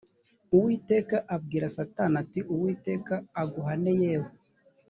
uwiteka abwira satani ati uwiteka aguhane yewe